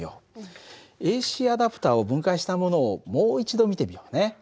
ＡＣアダプターを分解したものをもう一度見てみようね。